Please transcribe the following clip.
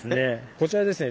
こちらですね